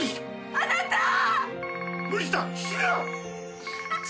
あなたー！